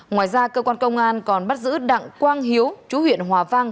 ngoài ra cơ quan công an còn bắt giữ đặng quang hiếu chú huyện hòa vang